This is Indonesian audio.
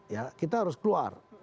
ya kita harus keluar